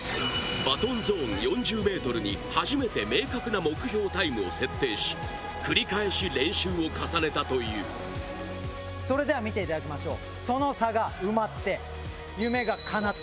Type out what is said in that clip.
バトンゾーン４０ｍに初めて明確な目標タイムを設定し繰り返し練習を重ねたというそれでは見ていただきましょうその差が埋まって。